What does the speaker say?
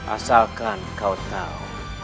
asalkan kau tahu